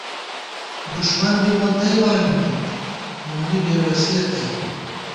دݭمن بی موتئ بانِمېت ، مونی بے وسِیَہ تئ